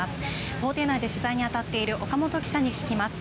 法廷内で取材にあたっている岡本記者に聞きます。